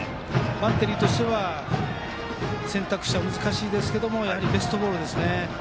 バッテリーは選択肢は難しいですがベストボールですね。